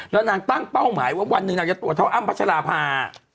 แล้วนางตั้งเป้าหมายว่าวันหนึ่งนางจะตรวจเท่าอ้ำพัชราภา